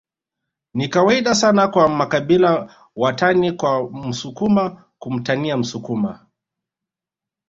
Ni kawaida sana kwa makabila watani wa msukuma kumtania msukuma